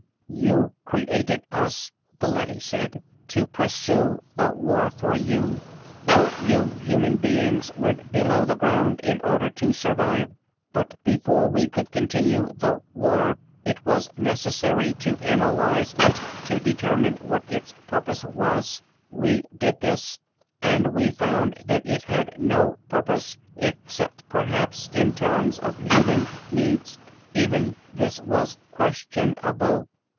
"You created us," the leady said, "to pursue the war for you, while you human beings went below the ground in order to survive. But before we could continue the war, it was necessary to analyze it to determine what its purpose was. We did this, and we found that it had no purpose, except, perhaps, in terms of human needs. Even this was questionable.